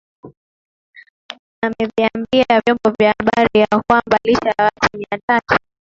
ameviambia vyombo vya habari ya kwamba licha ya watu mia tatu